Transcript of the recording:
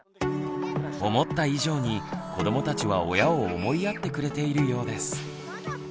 思った以上に子どもたちは親を思いやってくれているようです。